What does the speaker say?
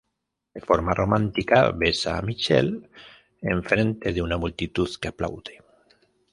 De forma romántica besa a Michelle en frente de una multitud que aplaude.